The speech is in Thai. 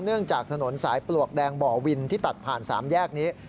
เนื่องจากถนนสายปลวกแดงบ่อวินที่ตัดผ่าน๓แยกนี้